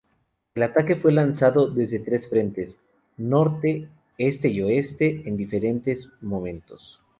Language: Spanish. El ataque fue lanzado desde tres frentes –norte, este y oeste– en diferentes momentos.